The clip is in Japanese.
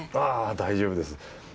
あ大丈夫です。